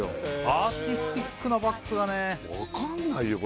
アーティスティックなバッグだね分かんないよ